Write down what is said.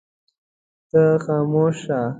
ته خاموش شه.